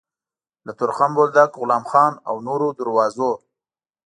له تورخم، بولدک، غلام خان او نورو دروازو